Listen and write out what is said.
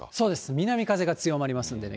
南風が強まりますんでね。